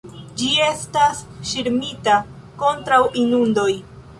Ĝi estas ŝirmita kontraŭ inundoj.